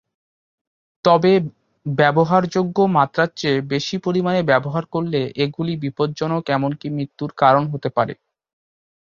তবে ব্যবহারযোগ্য মাত্রার চেয়ে বেশি পরিমাণে ব্যবহার করলে এগুলি বিপজ্জনক এমনকি মৃত্যুর কারণ হতে পারে।